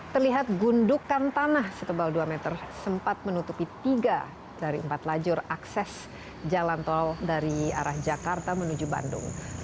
terlihat gundukan tanah setebal dua meter sempat menutupi tiga dari empat lajur akses jalan tol dari arah jakarta menuju bandung